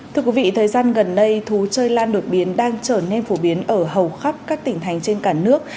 thưa quý vị thời gian gần đây thú chơi lan đột biến đang trở nên phổ biến ở hầu khắp các tỉnh thành trên cả nước